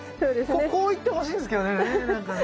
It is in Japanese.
こういってほしいんですけどねなんかね。